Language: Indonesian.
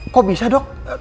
kok bisa dok